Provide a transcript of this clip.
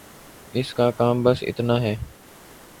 اس کا کام بس اتنا ہے۔